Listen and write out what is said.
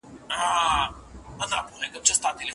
استاد د شاګرد په څېړنه کي مرسته کړې ده.